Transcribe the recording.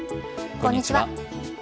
こんにちは。